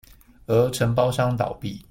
而承包廠商倒閉